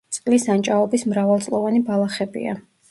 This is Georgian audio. წყლის ან ჭაობის მრავალწლოვანი ბალახებია.